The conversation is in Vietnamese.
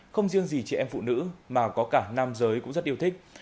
không riêng gì chị em phụ nữ mà có cả nam giới cũng rất yêu thích